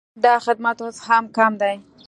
دا خدمت اوس هم کم دی